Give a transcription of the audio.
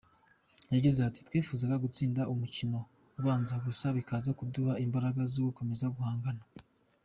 Yagize ati ”Twifuzaga gutsinda umukino ubanza gusa bikaza kuduha imbaraga zo gukomeza guhangana.